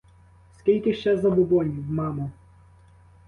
Скільки ще забобонів, мамо!